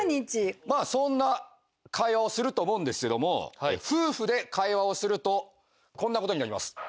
まあそんな会話をすると思うんですけども夫婦で会話をするとこんな事になります。